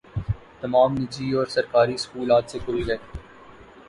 تمام نجی اور سرکاری اسکول آج سے کھل گئے